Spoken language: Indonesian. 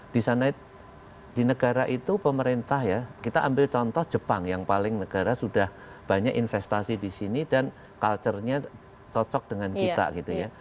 di sana di negara itu pemerintah ya kita ambil contoh jepang yang paling negara sudah banyak investasi di sini dan culture nya cocok dengan kita gitu ya